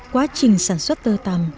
quá trình sản xuất tơ tầm